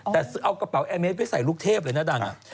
แต่เอากระเป๋าแอร์เมสไปใส่ลูกเทพเลยนะดัง